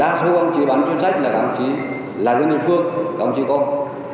đa số công chí bán chân trách là công chí là dân địa phương công chí công